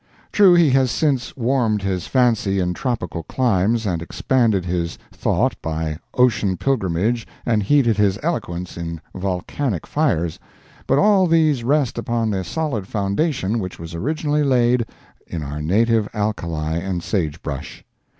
True he has since warmed his fancy in tropical climes and expanded his thought by ocean pilgrimage and heated his eloquence in volcanic fires; but all these rest upon the solid foundation which was originally laid in our native alkali and sagebrush.